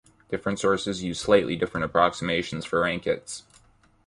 Different sources use slightly different approximations for rankits.